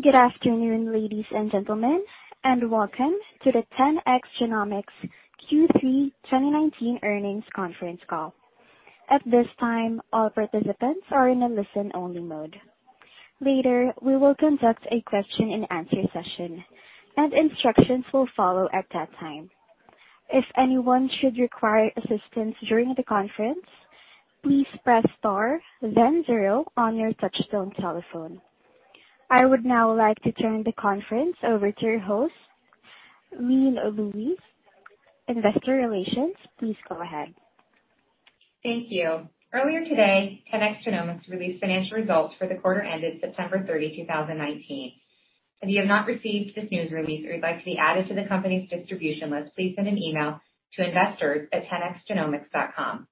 Good afternoon, ladies and gentlemen, and welcome to the 10x Genomics Q3 2019 Earnings Conference Call. At this time, all participants are in a listen-only mode. Later, we will conduct a question and answer session, and instructions will follow at that time. If anyone should require assistance during the conference, please press star then zero on your touchtone telephone. I would now like to turn the conference over to your host, Lynn Lewis, Investor Relations. Please go ahead. Thank you. Earlier today, 10x Genomics released financial results for the quarter ended September 30, 2019. If you have not received this news release, or you'd like to be added to the company's distribution list, please send an email to investors@10xgenomics.com.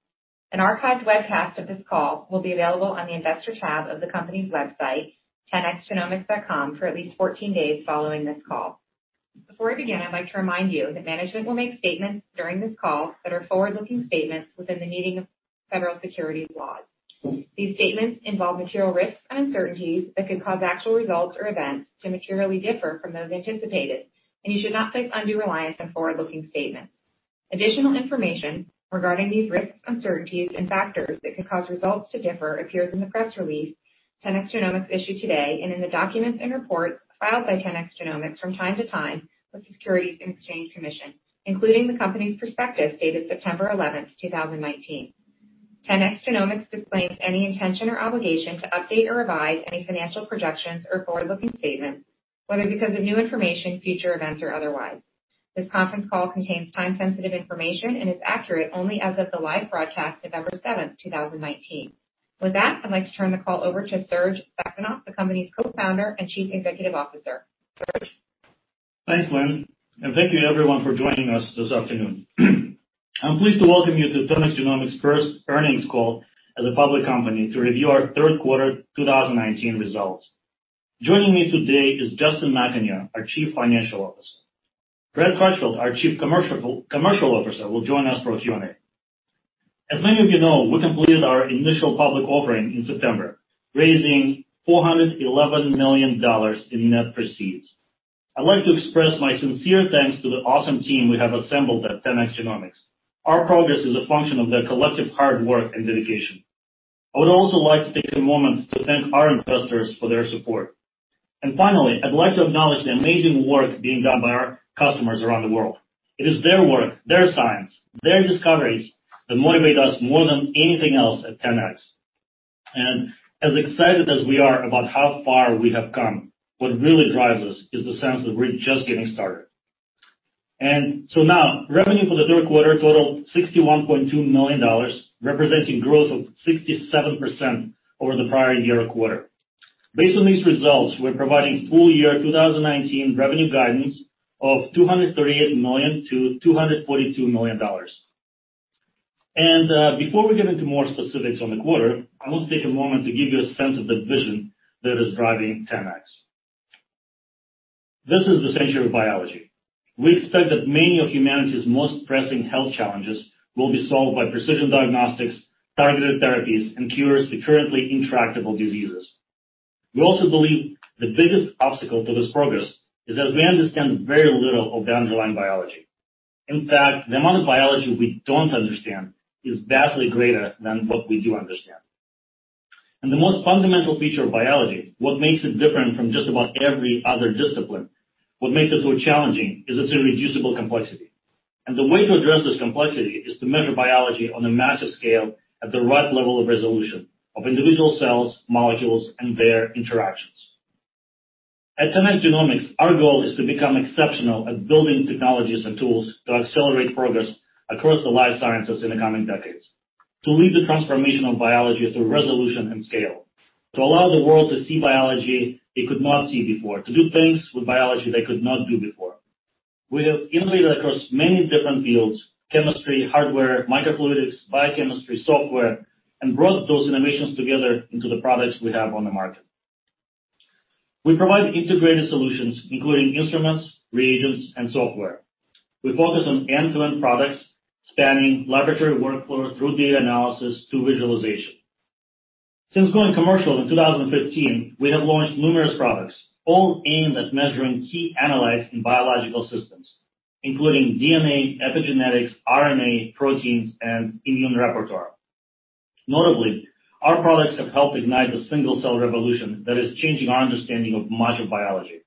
An archived webcast of this call will be available on the Investor tab of the company's website, 10xgenomics.com, for at least 14 days following this call. Before we begin, I'd like to remind you that management will make statements during this call that are forward-looking statements within the meaning of federal securities laws. These statements involve material risks and uncertainties that could cause actual results or events to materially differ from those anticipated, and you should not place undue reliance on forward-looking statements. Additional information regarding these risks, uncertainties, and factors that could cause results to differ appears in the press release 10x Genomics issued today and in the documents and reports filed by 10x Genomics from time to time with the Securities and Exchange Commission, including the company's prospectus, dated September 11th, 2019. 10x Genomics disclaims any intention or obligation to update or revise any financial projections or forward-looking statements, whether because of new information, future events, or otherwise. This conference call contains time-sensitive information and is accurate only as of the live broadcast, November 7th, 2019. With that, I'd like to turn the call over to Serge Saxonov, the company's Co-founder and Chief Executive Officer. Serge? Thanks, Lynn, thank you everyone for joining us this afternoon. I'm pleased to welcome you to 10x Genomics' first earnings call as a public company to review our third quarter 2019 results. Joining me today is Justin McAnear, our Chief Financial Officer. Brad Crutchfield, our Chief Commercial Officer, will join us for Q&A. As many of you know, we completed our initial public offering in September, raising $411 million in net proceeds. I'd like to express my sincere thanks to the awesome team we have assembled at 10x Genomics. Our progress is a function of their collective hard work and dedication. I would also like to take a moment to thank our investors for their support. Finally, I'd like to acknowledge the amazing work being done by our customers around the world. It is their work, their science, their discoveries that motivate us more than anything else at 10x. As excited as we are about how far we have come, what really drives us is the sense that we're just getting started. Now, revenue for the third quarter totaled $61.2 million, representing growth of 67% over the prior year quarter. Based on these results, we're providing full year 2019 revenue guidance of $238 million to $242 million. Before we get into more specifics on the quarter, I want to take a moment to give you a sense of the vision that is driving 10x. This is the century of biology. We expect that many of humanity's most pressing health challenges will be solved by precision diagnostics, targeted therapies, and cures to currently intractable diseases. We also believe the biggest obstacle to this progress is that we understand very little of the underlying biology. In fact, the amount of biology we don't understand is vastly greater than what we do understand. The most fundamental feature of biology, what makes it different from just about every other discipline, what makes it so challenging, is its irreducible complexity. The way to address this complexity is to measure biology on a massive scale at the right level of resolution of individual cells, molecules, and their interactions. At 10x Genomics, our goal is to become exceptional at building technologies and tools to accelerate progress across the life sciences in the coming decades, to lead the transformation of biology through resolution and scale, to allow the world to see biology they could not see before, to do things with biology they could not do before. We have innovated across many different fields, chemistry, hardware, microfluidics, biochemistry, software, and brought those innovations together into the products we have on the market. We provide integrated solutions, including instruments, reagents, and software. We focus on end-to-end products spanning laboratory workflows through data analysis to visualization. Since going commercial in 2015, we have launched numerous products, all aimed at measuring key analytes in biological systems, including DNA, epigenetics, RNA, proteins, and immune repertoire. Notably, our products have helped ignite the single-cell revolution that is changing our understanding of module biology.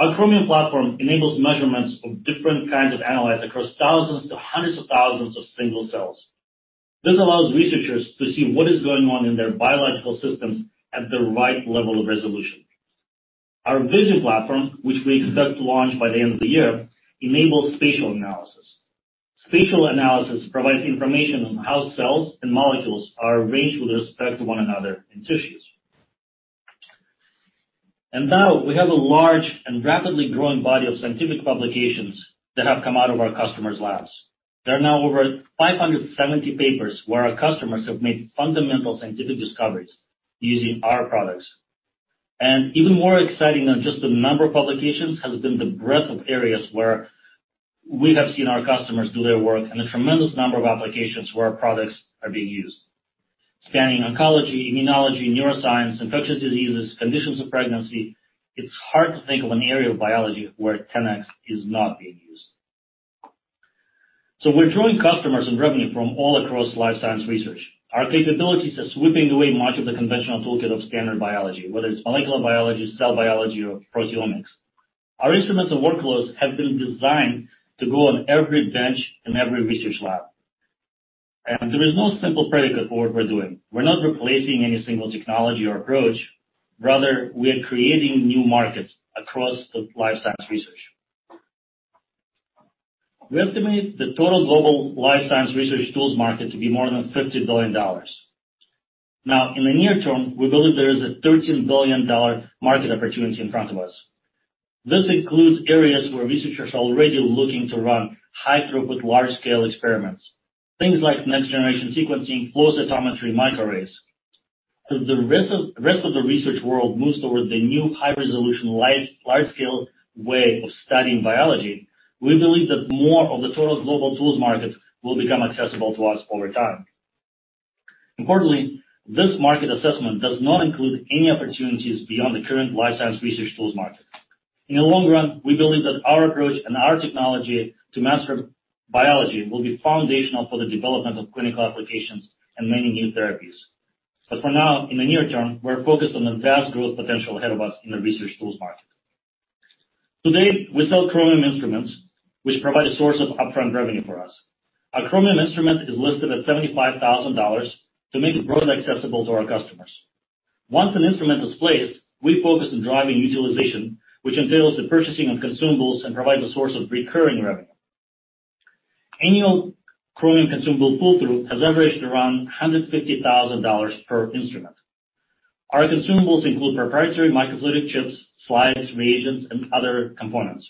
Our Chromium platform enables measurements of different kinds of analytes across thousands to hundreds of thousands of single cells. This allows researchers to see what is going on in their biological systems at the right level of resolution. Our Visium platform, which we expect to launch by the end of the year, enables spatial analysis. Spatial analysis provides information on how cells and molecules are arranged with respect to one another in tissues. Now we have a large and rapidly growing body of scientific publications that have come out of our customers' labs. There are now over 570 papers where our customers have made fundamental scientific discoveries using our products. Even more exciting than just the number of publications has been the breadth of areas where we have seen our customers do their work and the tremendous number of applications where our products are being used. Spanning oncology, immunology, neuroscience, infectious diseases, conditions of pregnancy. It's hard to think of an area of biology where 10x is not being used. We're drawing customers and revenue from all across life science research. Our capabilities are sweeping away much of the conventional toolkit of standard biology, whether it's molecular biology, cell biology, or proteomics. Our instruments and workloads have been designed to go on every bench in every research lab. There is no simple predicate for what we're doing. We're not replacing any single technology or approach. Rather, we are creating new markets across life science research. We estimate the total global life science research tools market to be more than $50 billion. In the near term, we believe there is a $13 billion market opportunity in front of us. This includes areas where researchers are already looking to run high throughput, large-scale experiments, things like next-generation sequencing, flow cytometry, microarrays. As the rest of the research world moves towards the new high-resolution large-scale way of studying biology, we believe that more of the total global tools market will become accessible to us over time. Importantly, this market assessment does not include any opportunities beyond the current life science research tools market. In the long run, we believe that our approach and our technology to master biology will be foundational for the development of clinical applications and many new therapies. For now, in the near term, we're focused on the vast growth potential ahead of us in the research tools market. Today, we sell Chromium instruments, which provide a source of upfront revenue for us. Our Chromium instrument is listed at $75,000 to make it broadly accessible to our customers. Once an instrument is placed, we focus on driving utilization, which entails the purchasing of consumables and provides a source of recurring revenue. Annual Chromium consumable pull-through has averaged around $150,000 per instrument. Our consumables include proprietary microfluidic chips, slides, reagents, and other components.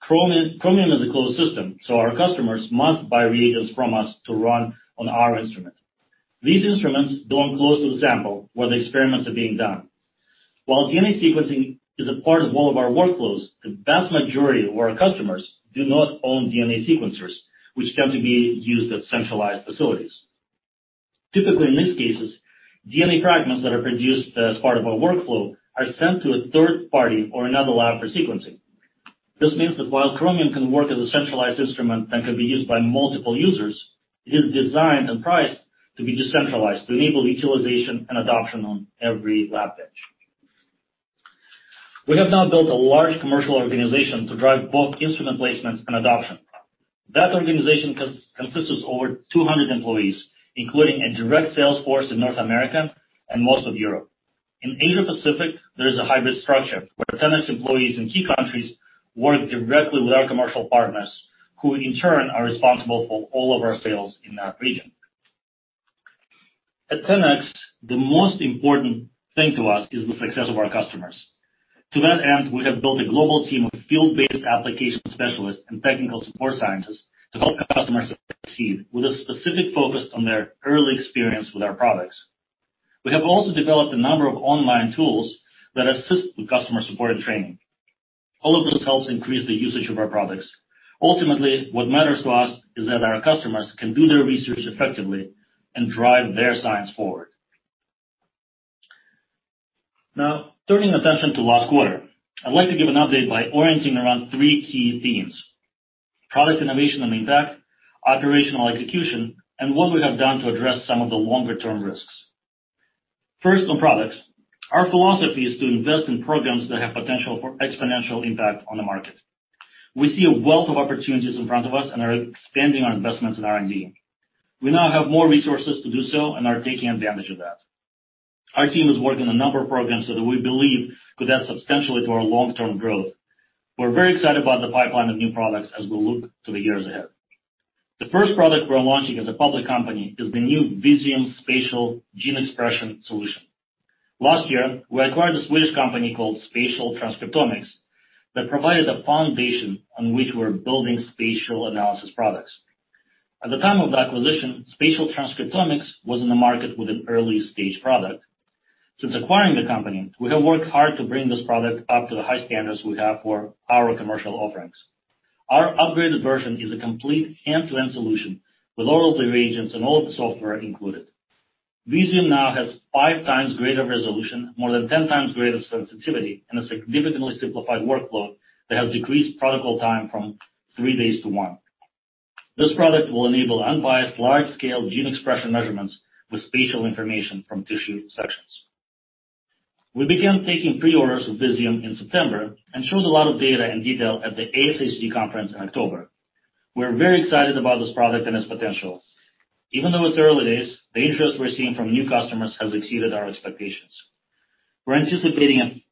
Chromium is a closed system, so our customers must buy reagents from us to run on our instrument. These instruments don't close to the sample where the experiments are being done. While DNA sequencing is a part of all of our workflows, the vast majority of our customers do not own DNA sequencers, which tend to be used at centralized facilities. Typically, in these cases, DNA fragments that are produced as part of our workflow are sent to a third party or another lab for sequencing. This means that while Chromium can work as a centralized instrument and can be used by multiple users, it is designed and priced to be decentralized, to enable utilization and adoption on every lab bench. We have now built a large commercial organization to drive both instrument placements and adoption. That organization consists of over 200 employees, including a direct sales force in North America and most of Europe. In Asia Pacific, there is a hybrid structure where 10x employees in key countries work directly with our commercial partners, who in turn are responsible for all of our sales in that region. At 10x, the most important thing to us is the success of our customers. To that end, we have built a global team of field-based application specialists and technical support scientists to help customers succeed with a specific focus on their early experience with our products. We have also developed a number of online tools that assist with customer support and training. All of this helps increase the usage of our products. Ultimately, what matters to us is that our customers can do their research effectively and drive their science forward. Now, turning attention to last quarter, I'd like to give an update by orienting around three key themes, product innovation and impact, operational execution, and what we have done to address some of the longer-term risks. First on products. Our philosophy is to invest in programs that have potential for exponential impact on the market. We see a wealth of opportunities in front of us and are expanding our investments in R&D. We now have more resources to do so and are taking advantage of that. Our team is working on a number of programs that we believe could add substantially to our long-term growth. We're very excited about the pipeline of new products as we look to the years ahead. The first product we're launching as a public company is the new Visium Spatial Gene Expression Solution. Last year, we acquired a Swiss company called Spatial Transcriptomics that provided a foundation on which we're building spatial analysis products. At the time of the acquisition, Spatial Transcriptomics was in the market with an early-stage product. Since acquiring the company, we have worked hard to bring this product up to the high standards we have for our commercial offerings. Our upgraded version is a complete end-to-end solution with all of the reagents and all of the software included. Visium now has five times greater resolution, more than 10 times greater sensitivity, and a significantly simplified workflow that has decreased protocol time from three days to one. This product will enable unbiased, large-scale gene expression measurements with spatial information from tissue sections. We began taking pre-orders of Visium in September and showed a lot of data in detail at the ASHG conference in October. We're very excited about this product and its potential. Even though it's early days, the interest we're seeing from new customers has exceeded our expectations. We're anticipating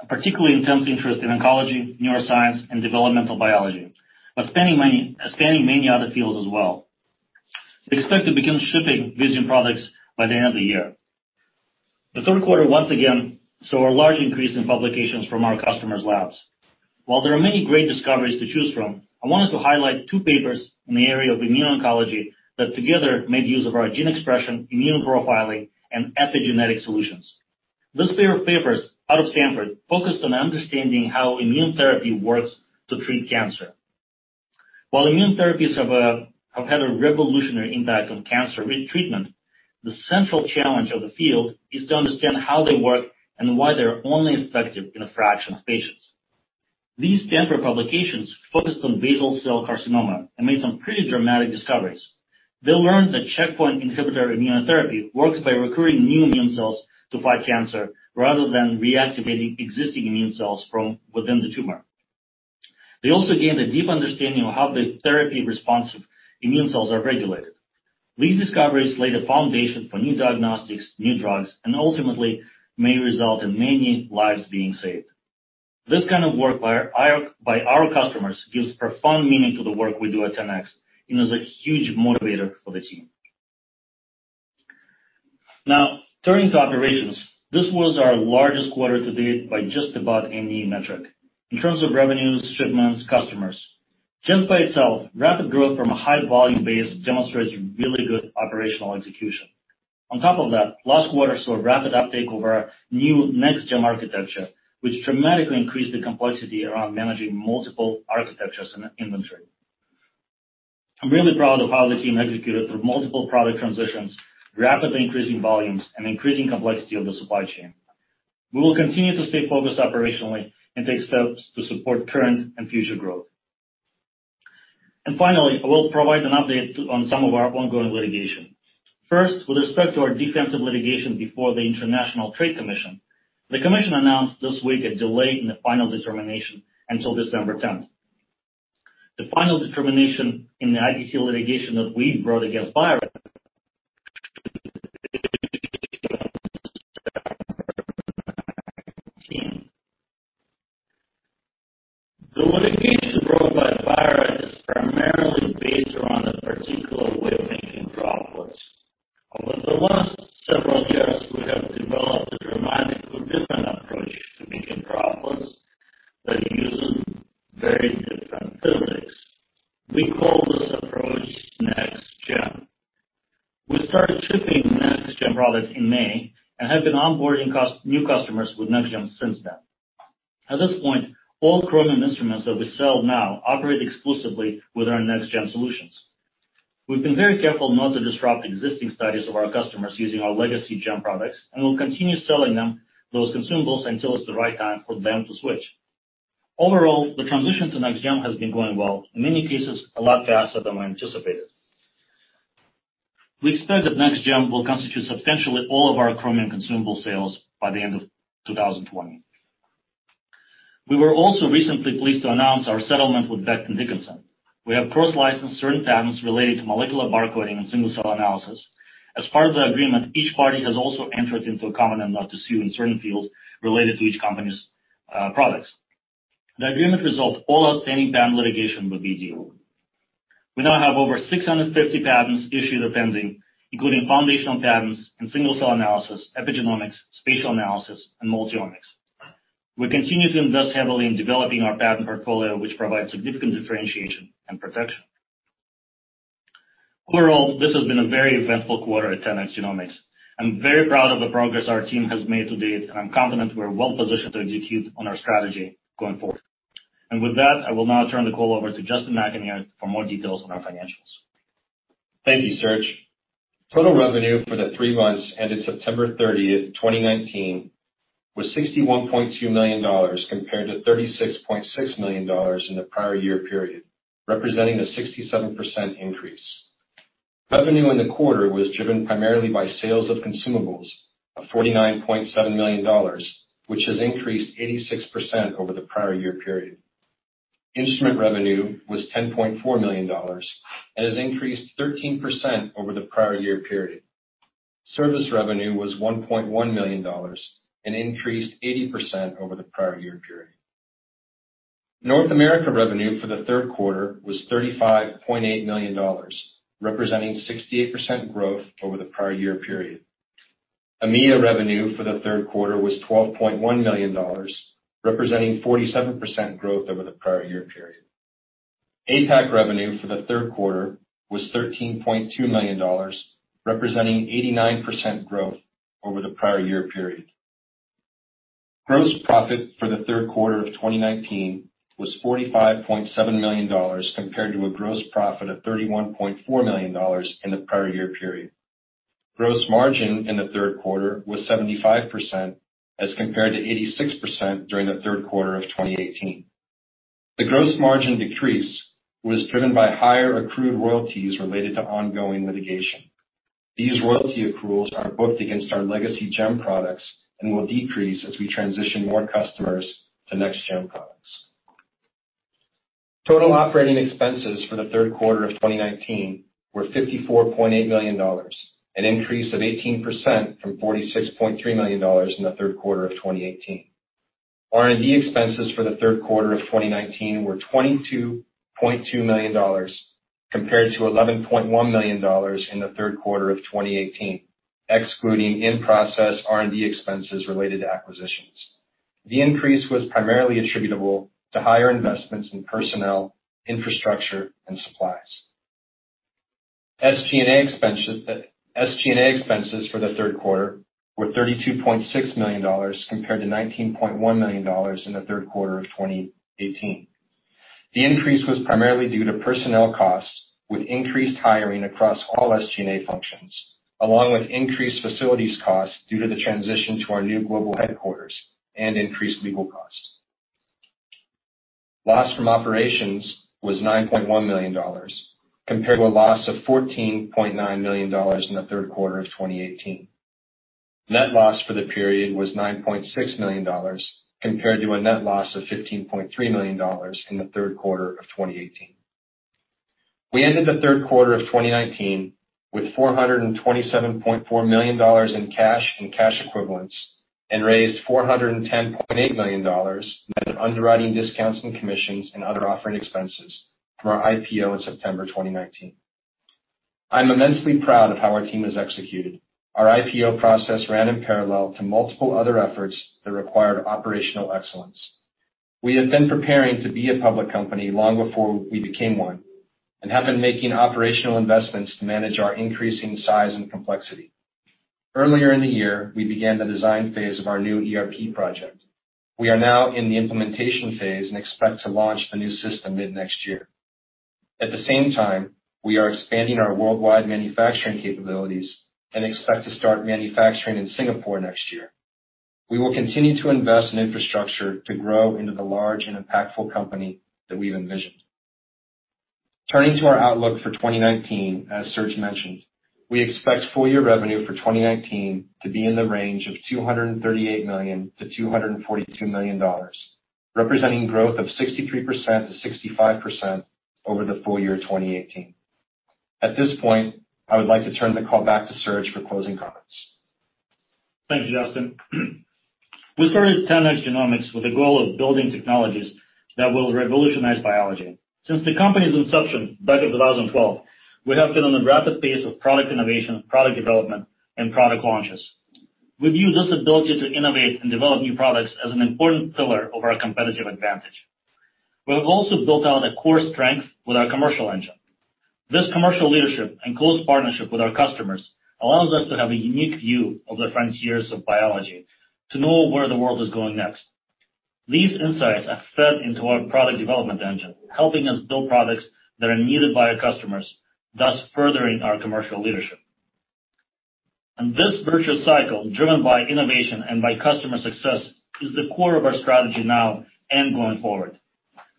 a particularly intense interest in oncology, neuroscience, and developmental biology, spanning many other fields as well. We expect to begin shipping Visium products by the end of the year. The third quarter once again saw a large increase in publications from our customers' labs. While there are many great discoveries to choose from, I wanted to highlight two papers in the area of immune oncology that together made use of our gene expression, immune profiling, and epigenetic solutions. This pair of papers out of Stanford focused on understanding how immune therapy works to treat cancer. While immune therapies have had a revolutionary impact on cancer treatment, the central challenge of the field is to understand how they work and why they're only effective in a fraction of patients. These Stanford publications focused on basal cell carcinoma and made some pretty dramatic discoveries. They learned that checkpoint inhibitor immunotherapy works by recruiting new immune cells to fight cancer rather than reactivating existing immune cells from within the tumor. They also gained a deep understanding of how the therapy-responsive immune cells are regulated. These discoveries lay the foundation for new diagnostics, new drugs, and ultimately may result in many lives being saved. This kind of work by our customers gives profound meaning to the work we do at 10x and is a huge motivator for the team. Now, turning to operations. This was our largest quarter to date by just about any metric in terms of revenues, shipments, customers. Just by itself, rapid growth from a high volume base demonstrates really good operational execution. Last quarter saw a rapid uptake over our new Next GEM architecture, which dramatically increased the complexity around managing multiple architectures and inventory. I'm really proud of how the team executed through multiple product transitions, rapidly increasing volumes, and increasing complexity of the supply chain. We will continue to stay focused operationally and take steps to support current and future growth. Finally, I will provide an update on some of our ongoing litigation. First, with respect to our defensive litigation before the International Trade Commission, the commission announced this week a delay in the final determination until December 10th. The final determination in the ITC litigation that we brought against Bio-Rad. The litigation brought by Bio-Rad is primarily based around a particular way of making droplets. Over the last several years, we have developed a dramatically different approach to making droplets that uses very different physics. We call this approach Next GEM. We started shipping Next GEM products in May and have been onboarding new customers with Next GEM since then. At this point, all Chromium instruments that we sell now operate exclusively with our Next GEM solutions. We've been very careful not to disrupt existing studies of our customers using our legacy GEM products and will continue selling them those consumables until it's the right time for them to switch. Overall, the transition to Next GEM has been going well, in many cases, a lot faster than we anticipated. We expect that Next GEM will constitute substantially all of our Chromium consumable sales by the end of 2020. We were also recently pleased to announce our settlement with Becton Dickinson. We have cross-licensed certain patents related to molecular barcoding and single-cell analysis. As part of the agreement, each party has also entered into a covenant not to sue in certain fields related to each company's products. The agreement resolved all outstanding patent litigation with BD. We now have over 650 patents issued or pending, including foundational patents in single-cell analysis, epigenomics, spatial analysis, and multi-omics. We continue to invest heavily in developing our patent portfolio, which provides significant differentiation and protection. Overall, this has been a very eventful quarter at 10x Genomics. I'm very proud of the progress our team has made to date. I'm confident we're well positioned to execute on our strategy going forward. With that, I will now turn the call over to Justin McAnear for more details on our financials. Thank you, Serge. Total revenue for the three months ended September 30th, 2019, was $61.2 million compared to $36.6 million in the prior year period, representing a 67% increase. Revenue in the quarter was driven primarily by sales of consumables of $49.7 million, which has increased 86% over the prior year period. Instrument revenue was $10.4 million and has increased 13% over the prior year period. Service revenue was $1.1 million and increased 80% over the prior year period. North America revenue for the third quarter was $35.8 million, representing 68% growth over the prior year period. EMEA revenue for the third quarter was $12.1 million, representing 47% growth over the prior year period. APAC revenue for the third quarter was $13.2 million, representing 89% growth over the prior year period. Gross profit for the third quarter of 2019 was $45.7 million compared to a gross profit of $31.4 million in the prior year period. Gross margin in the third quarter was 75% as compared to 86% during the third quarter of 2018. The gross margin decrease was driven by higher accrued royalties related to ongoing litigation. These royalty accruals are booked against our legacy GEM products and will decrease as we transition more customers to Next GEM products. Total operating expenses for the third quarter of 2019 were $54.8 million, an increase of 18% from $46.3 million in the third quarter of 2018. R&D expenses for the third quarter of 2019 were $22.2 million compared to $11.1 million in the third quarter of 2018, excluding in-process R&D expenses related to acquisitions. The increase was primarily attributable to higher investments in personnel, infrastructure, and supplies. SG&A expenses for the third quarter were $32.6 million compared to $19.1 million in the third quarter of 2018. The increase was primarily due to personnel costs, with increased hiring across all SG&A functions, along with increased facilities costs due to the transition to our new global headquarters and increased legal costs. Loss from operations was $9.1 million, compared to a loss of $14.9 million in the third quarter of 2018. Net loss for the period was $9.6 million, compared to a net loss of $15.3 million in the third quarter of 2018. We ended the third quarter of 2019 with $427.4 million in cash and cash equivalents and raised $410.8 million net of underwriting discounts and commissions and other offering expenses from our IPO in September 2019. I'm immensely proud of how our team has executed. Our IPO process ran in parallel to multiple other efforts that required operational excellence. We have been preparing to be a public company long before we became one and have been making operational investments to manage our increasing size and complexity. Earlier in the year, we began the design phase of our new ERP project. We are now in the implementation phase and expect to launch the new system mid-next year. At the same time, we are expanding our worldwide manufacturing capabilities and expect to start manufacturing in Singapore next year. We will continue to invest in infrastructure to grow into the large and impactful company that we've envisioned. Turning to our outlook for 2019, as Serge mentioned, we expect full-year revenue for 2019 to be in the range of $238 million-$242 million, representing growth of 63%-65% over the full year 2018. At this point, I would like to turn the call back to Serge for closing comments. Thank you, Justin. We started 10x Genomics with the goal of building technologies that will revolutionize biology. Since the company's inception back in 2012, we have been on a rapid pace of product innovation, product development, and product launches. We view this ability to innovate and develop new products as an important pillar of our competitive advantage. We have also built out a core strength with our commercial engine. This commercial leadership and close partnership with our customers allows us to have a unique view of the frontiers of biology to know where the world is going next. These insights are fed into our product development engine, helping us build products that are needed by our customers, thus furthering our commercial leadership. This virtuous cycle, driven by innovation and by customer success, is the core of our strategy now and going forward.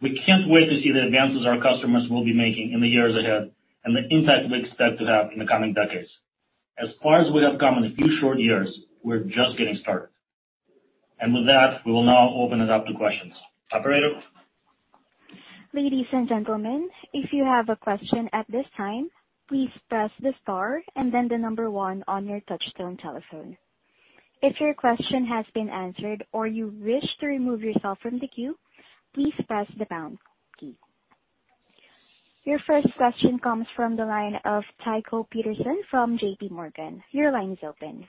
We can't wait to see the advances our customers will be making in the years ahead and the impact we expect to have in the coming decades. As far as we have come in a few short years, we're just getting started. With that, we will now open it up to questions. Operator? Ladies and gentlemen, if you have a question at this time, please press the star and then the number one on your touchtone telephone. If your question has been answered or you wish to remove yourself from the queue, please press the pound key. Your first question comes from the line of Tycho Peterson from JPMorgan. Your line is open.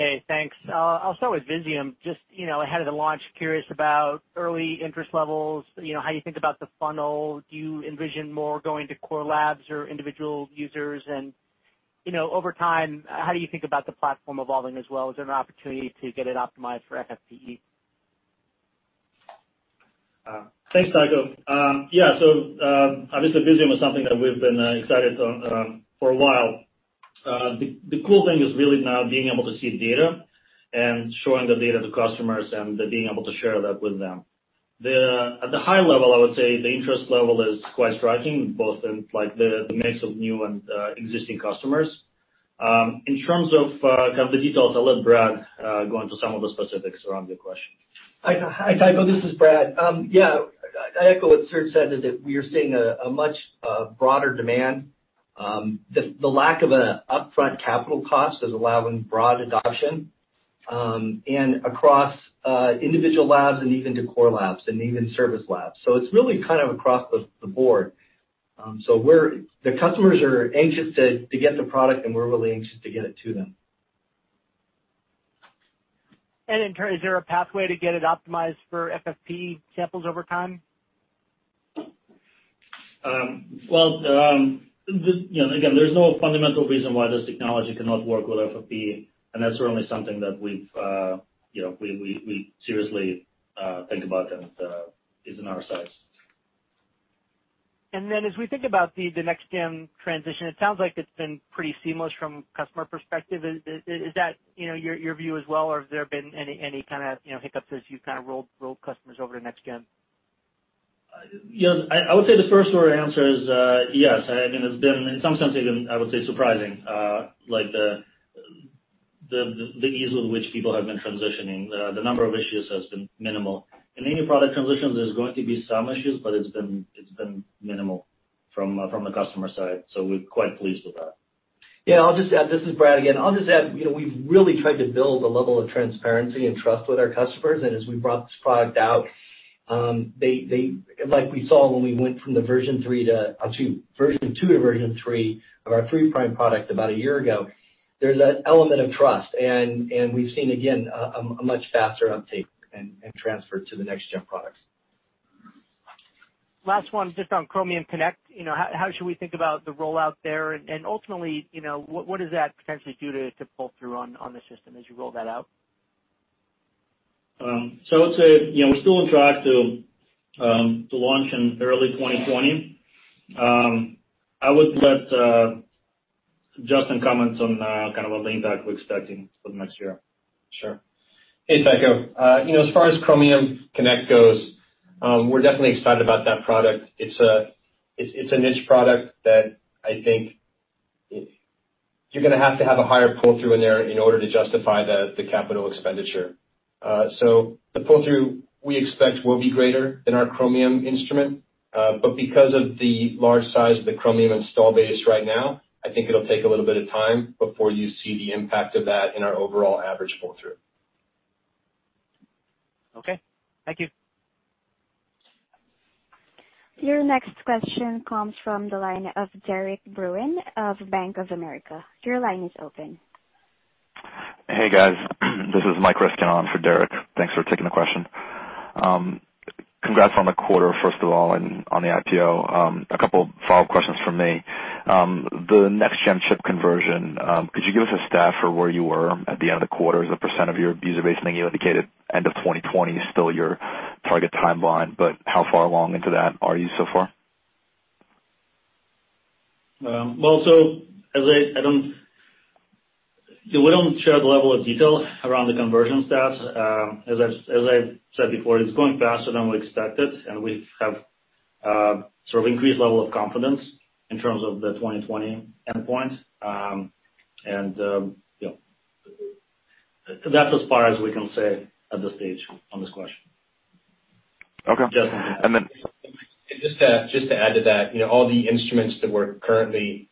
Hey, thanks. I'll start with Visium. Just ahead of the launch, curious about early interest levels, how you think about the funnel. Do you envision more going to core labs or individual users? Over time, how do you think about the platform evolving as well? Is there an opportunity to get it optimized for FFPE? Thanks, Tycho. Yeah. Obviously Visium is something that we've been excited on for a while. The cool thing is really now being able to see data and showing the data to customers and then being able to share that with them. At the high level, I would say the interest level is quite striking, both in the mix of new and existing customers. In terms of kind of the details, I'll let Brad go into some of the specifics around your question. Hi, Tycho, this is Brad. I echo what Serge said, is that we are seeing a much broader demand. The lack of an upfront capital cost is allowing broad adoption, and across individual labs and even to core labs and even service labs. It's really kind of across the board. The customers are anxious to get the product, and we're really anxious to get it to them. In turn, is there a pathway to get it optimized for FFPE samples over time? Well, again, there's no fundamental reason why this technology cannot work with FFPE, and that's certainly something that we seriously think about and is in our sights. As we think about the Next GEM transition, it sounds like it's been pretty seamless from a customer perspective. Is that your view as well, or have there been any kind of hiccups as you've kind of rolled customers over to Next GEM? Yes. I would say the first short answer is yes. I mean, it's been, in some sense even, I would say surprising, the ease with which people have been transitioning. The number of issues has been minimal. In any product transitions, there's going to be some issues, but it's been minimal from the customer side. We're quite pleased with that. Yeah, I'll just add, this is Brad again. I'll just add, we've really tried to build a level of transparency and trust with our customers, and as we brought this product out, like we saw when we went from version 2 to version 3 of our 3' Gene Expression product about a year ago, there's an element of trust, and we've seen, again, a much faster uptake and transfer to the Next GEM products. Last one, just on Chromium Connect. How should we think about the rollout there, and ultimately, what does that potentially do to pull through on the system as you roll that out? I would say, we're still on track to launch in early 2020. I would let Justin comment on kind of an impact we're expecting for the next year. Sure. Hey, Tycho. As far as Chromium Connect goes, we're definitely excited about that product. It's a niche product that I think you're going to have to have a higher pull-through in there in order to justify the capital expenditure. The pull-through we expect will be greater than our Chromium instrument. Because of the large size of the Chromium install base right now, I think it'll take a little bit of time before you see the impact of that in our overall average pull-through. Okay. Thank you. Your next question comes from the line of Derik De Bruin of Bank of America. Your line is open. Hey, guys. This is Mike Ryskin on for Derik. Thanks for taking the question. Congrats on the quarter, first of all, and on the IPO. A couple follow-up questions from me. The Next GEM chip conversion, could you give us a stat for where you were at the end of the quarter as a percent of your user base? I think you indicated end of 2020 is still your target timeline, how far along into that are you so far? We don't share the level of detail around the conversion stats. As I've said before, it's going faster than we expected, and we have sort of increased level of confidence in terms of the 2020 endpoint. That's as far as we can say at this stage on this question. Okay. Justin. And then- Just to add to that, all the instruments that we're currently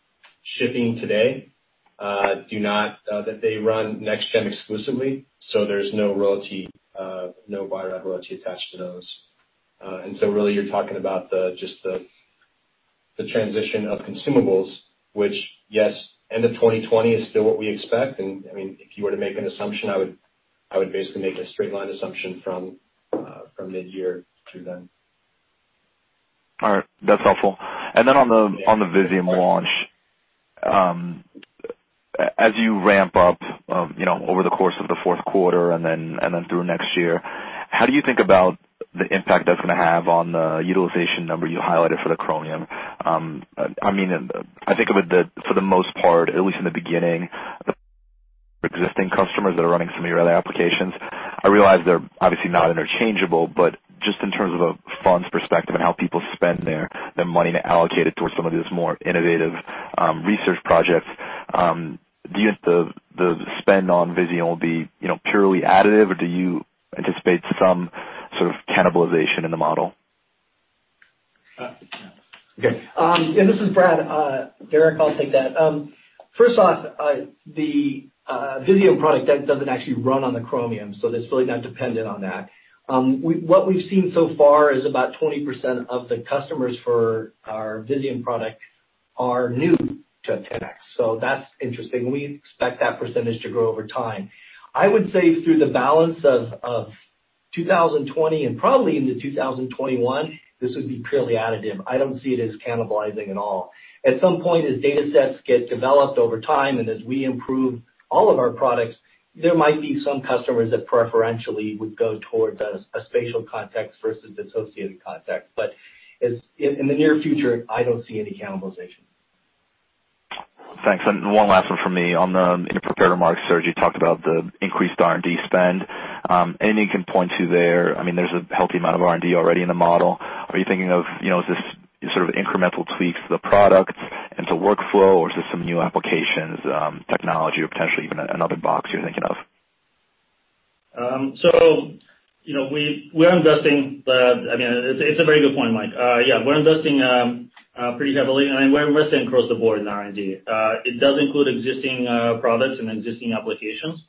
shipping today they run Next GEM exclusively, so there's no Bio-Rad royalty attached to those. Really you're talking about just the transition of consumables, which, yes, end of 2020 is still what we expect, and if you were to make an assumption, I would basically make a straight line assumption from mid-year through then. All right. That's helpful. Then on the Visium launch. As you ramp up over the course of the fourth quarter then through next year, how do you think about the impact that's going to have on the utilization number you highlighted for the Chromium? I think of it that for the most part, at least in the beginning, existing customers that are running some of your other applications, I realize they're obviously not interchangeable, but just in terms of a funds perspective and how people spend their money allocated towards some of these more innovative research projects, do you think the spend on Visium will be purely additive, or do you anticipate some sort of cannibalization in the model? Okay. Yeah, this is Brad. Derik, I'll take that. First off, the Visium product, that doesn't actually run on the Chromium, so it's really not dependent on that. What we've seen so far is about 20% of the customers for our Visium product are new to 10x, so that's interesting. We expect that percentage to grow over time. I would say through the balance of 2020 and probably into 2021, this would be purely additive. I don't see it as cannibalizing at all. At some point, as data sets get developed over time and as we improve all of our products, there might be some customers that preferentially would go towards a spatial context versus dissociated context. In the near future, I don't see any cannibalization. Thanks. One last one from me. On the prepared remarks, Serge, you talked about the increased R&D spend. Anything you can point to there? There's a healthy amount of R&D already in the model. Is this sort of incremental tweaks to the product and to workflow, or is this some new applications, technology, or potentially even another box you're thinking of? We're investing. It's a very good point, Mike. We're investing pretty heavily, and we're investing across the board in R&D. It does include existing products and existing applications,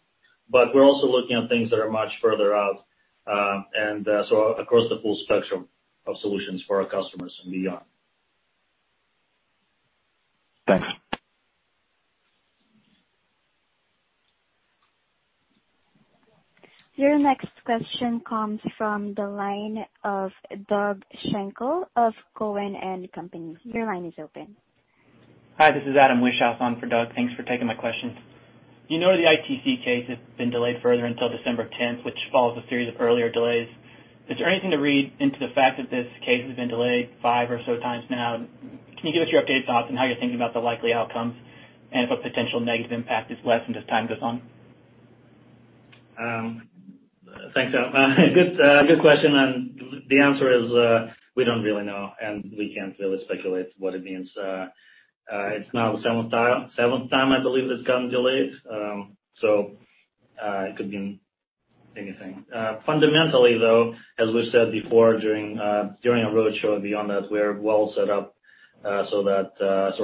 but we're also looking at things that are much further out. Across the full spectrum of solutions for our customers and beyond. Thanks. Your next question comes from the line of Doug Schenkel of Cowen and Company. Your line is open. Hi, this is Adam Wieschhaus on for Doug Schenkel. Thanks for taking my questions. You know the ITC case has been delayed further until December 10th, which follows a series of earlier delays. Is there anything to read into the fact that this case has been delayed five or so times now? Can you give us your updated thoughts on how you're thinking about the likely outcomes, and if a potential negative impact is less as time goes on? Thanks, Adam. Good question. The answer is, we don't really know, and we can't really speculate what it means. It's now the seventh time, I believe, it's gotten delayed. It could mean anything. Fundamentally, though, as we've said before during our roadshow and beyond that, we're well set up so that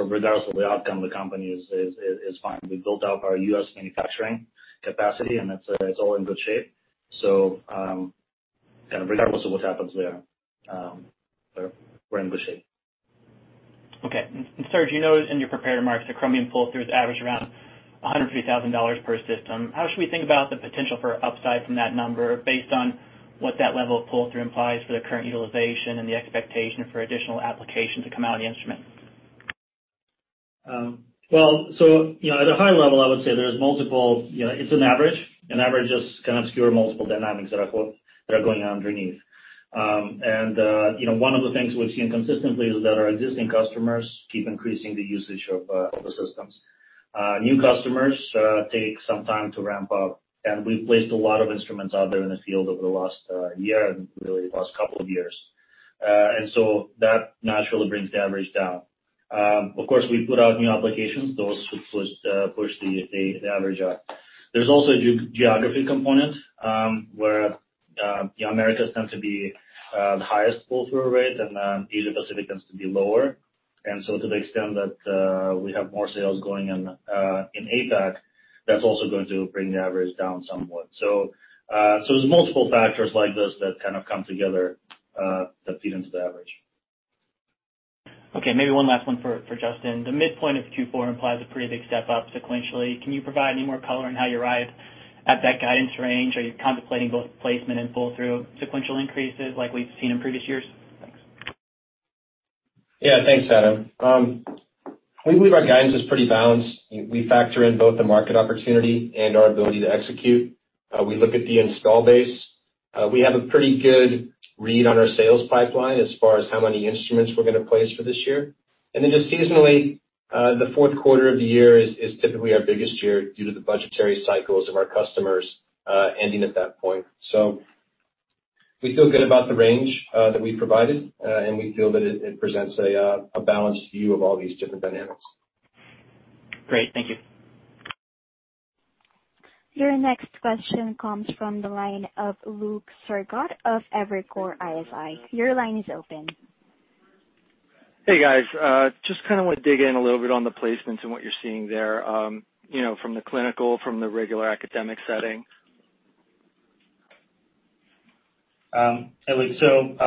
regardless of the outcome, the company is fine. We built out our U.S. manufacturing capacity, and it's all in good shape. Regardless of what happens, we're in good shape. Okay. Serge, you noted in your prepared remarks that Chromium pull-throughs average around $150,000 per system. How should we think about the potential for upside from that number based on what that level of pull-through implies for the current utilization and the expectation for additional applications to come out of the instrument? At a high level, I would say it's an average. An average just can obscure multiple dynamics that are going on underneath. One of the things we've seen consistently is that our existing customers keep increasing the usage of the systems. New customers take some time to ramp up, and we've placed a lot of instruments out there in the field over the last year and really the last couple of years. That naturally brings the average down. Of course, we put out new applications. Those would push the average up. There's also a geography component, where the Americas tend to be the highest pull-through rate and Asia-Pacific tends to be lower. To the extent that we have more sales going in APAC, that's also going to bring the average down somewhat. There's multiple factors like this that kind of come together that feed into the average. Okay, maybe one last one for Justin. The midpoint of Q4 implies a pretty big step up sequentially. Can you provide any more color on how you arrived at that guidance range? Are you contemplating both placement and pull-through sequential increases like we've seen in previous years? Thanks. Yeah. Thanks, Adam. We believe our guidance is pretty balanced. We factor in both the market opportunity and our ability to execute. We look at the install base. We have a pretty good read on our sales pipeline as far as how many instruments we're going to place for this year. Just seasonally, the fourth quarter of the year is typically our biggest year due to the budgetary cycles of our customers ending at that point. We feel good about the range that we provided, and we feel that it presents a balanced view of all these different dynamics. Great. Thank you. Your next question comes from the line of Luke Sergott of Evercore ISI. Your line is open. Hey, guys. Just kind of want to dig in a little bit on the placements and what you're seeing there, from the clinical, from the regular academic setting. Hey, Luke.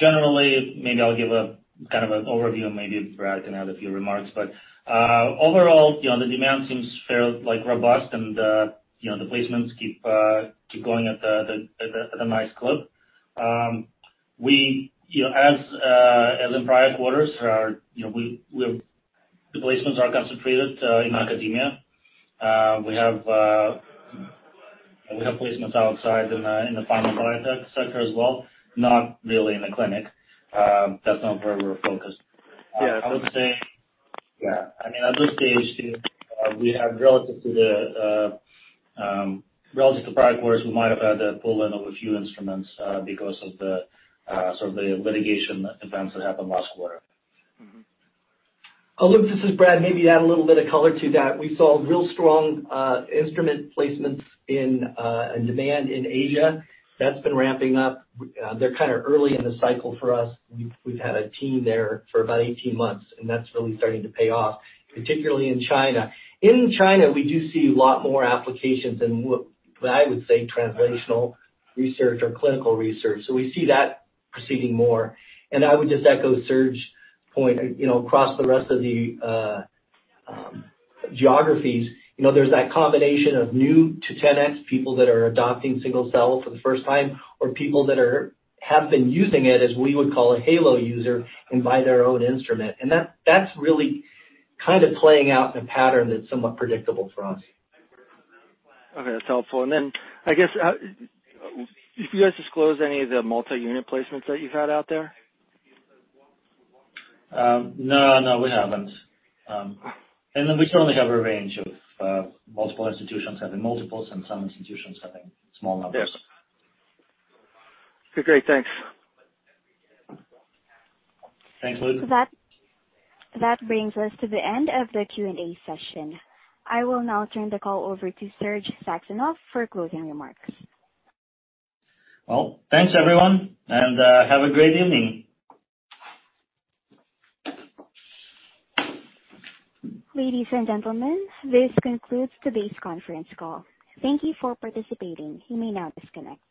Generally, maybe I'll give a kind of an overview, and maybe Brad can add a few remarks. Overall, the demand seems fairly robust and the placements keep going at a nice clip. As in prior quarters, the placements are concentrated in academia. We have placements outside in the pharma biotech sector as well, not really in the clinic. That's not where we're focused. Yeah. I would say, yeah. I mean, at this stage, we have relative to prior quarters, we might have had to pull in of a few instruments because of the sort of the litigation events that happened last quarter. Luke, this is Brad. To add a little bit of color to that. We saw real strong instrument placements in demand in Asia. That's been ramping up. They're kind of early in the cycle for us. We've had a team there for about 18 months. That's really starting to pay off, particularly in China. In China, we do see a lot more applications in what I would say translational research or clinical research. We see that proceeding more. I would just echo Serge's point, across the rest of the geographies, there's that combination of new to 10x, people that are adopting single cell for the first time, or people that have been using it as we would call a halo user and buy their own instrument. That's really kind of playing out in a pattern that's somewhat predictable for us. Okay, that's helpful. Then I guess, have you guys disclosed any of the multi-unit placements that you've had out there? No, we haven't. We certainly have a range of multiple institutions having multiples and some institutions having small numbers. Yes. Okay, great. Thanks. Thanks, Luke. That brings us to the end of the Q&A session. I will now turn the call over to Serge Saxonov for closing remarks. Well, thanks everyone, and have a great evening. Ladies and gentlemen, this concludes today's conference call. Thank you for participating. You may now disconnect.